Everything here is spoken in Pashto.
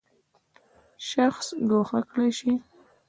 شخص ګوښه کړی شي.